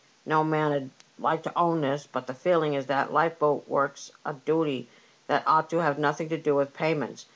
No man 'ud like to own this ; the feeling is that lifeboat work's a duty that ought to have nothing to do with payments.